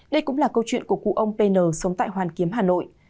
đây cũng là câu chuyện của cụ ông pn sống tại hoàn kiếm hà nội